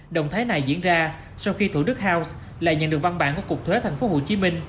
động thái này diễn ra sau khi thủ đức house lại nhận được văn bản của cục thuế tp hcm